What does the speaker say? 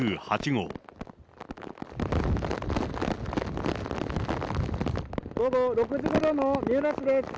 午後６時ごろの三浦市です。